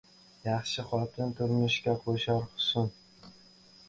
• Yaxshi xotin — turmushga qo‘shar husn.